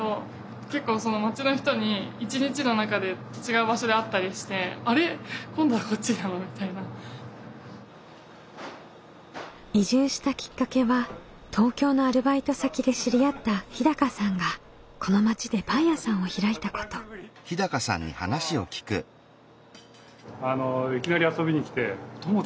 結構町の人に一日の中で違う場所で会ったりして「あれ？今度はこっちなの？」みたいな。移住したきっかけは東京のアルバイト先で知り合った日さんがこの町でパン屋さんを開いたこと。いきなり遊びに来て「ともちゃんじゃん」っていう。